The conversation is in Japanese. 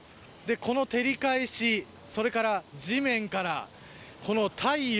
この照り返し、それから地面から、この太陽。